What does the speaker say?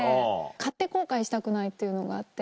買って後悔したくないっていうのがあって。